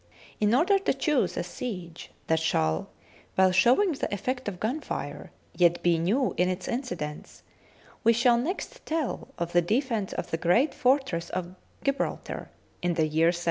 In order to choose a siege that shall, while show ing the effect of gun fire, yet be new in its incidents, we shall next tell of the defence of the great fort ress of Gibraltar in the year 1783.